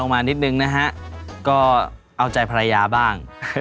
ว่าออกมานิดนึงนะฮะก็เอาใจพระยาบ้าง